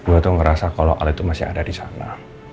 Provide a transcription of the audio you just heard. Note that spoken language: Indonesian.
gua tuh ngerasa kalau al itu masih ada disana